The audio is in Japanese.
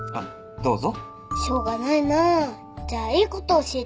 どうぞ。